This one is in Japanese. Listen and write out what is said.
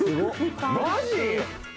マジ？